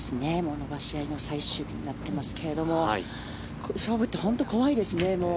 伸ばし合いの最終日になってますが勝負って本当に怖いですね。